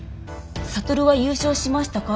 「智は優勝しましたか？」